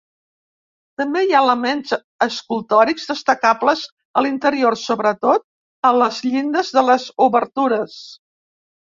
També hi ha elements escultòrics destacables a l'interior, sobretot a les llindes de les obertures.